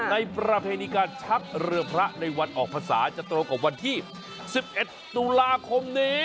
ประเพณีการชักเรือพระในวันออกพรรษาจะตรงกับวันที่๑๑ตุลาคมนี้